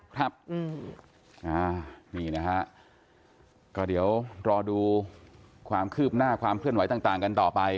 ครับนี่นะฮะก็เดี๋ยวรอดูความคืบหน้าความเคลื่อนไหวต่างกันต่อไป